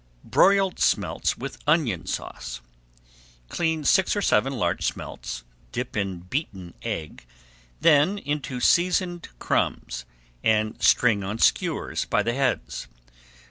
BROILED SMELTS WITH ONION SAUCE Clean six or seven large smelts, dip in beaten egg, then into seasoned crumbs, and string on skewers by the heads.